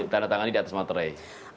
tanda tangan di atas materai